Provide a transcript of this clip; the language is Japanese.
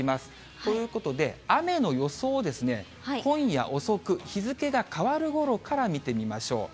ということで、雨の予想を今夜遅く、日付が変わるごろから見てみましょう。